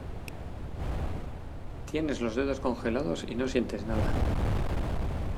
tienes los dedos congelados y no sientes nada.